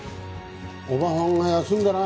おばはんは休んでな。